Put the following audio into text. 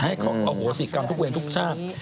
เอาโหสิกรรมทุกเวรทุกชาติ